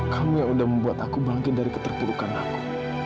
kamu yang udah membuat aku bangkit dari keterpurukan aku